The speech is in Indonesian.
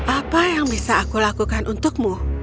apa yang bisa aku lakukan untukmu